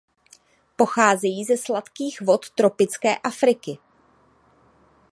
Pocházejí ze sladkých vod tropické Afriky.